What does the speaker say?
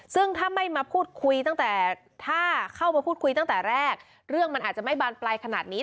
ซึ่งถ้าไม่มาพูดคุยตั้งแต่ถ้าเข้ามาพูดคุยตั้งแต่แรกเรื่องมันอาจจะไม่บานปลายขนาดนี้